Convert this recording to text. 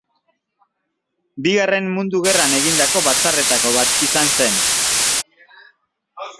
Bigarren mundu gerran egindako batzarretako bat izan zen.